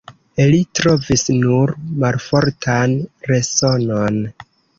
Li trovis nur malfortan resonon.